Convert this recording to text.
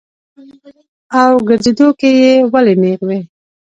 او ګرځېدو کښې ئې ولي نېغ وي -